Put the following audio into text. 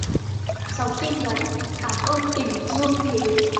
Dòng tin nhắn...cám ơn tình dương thế...!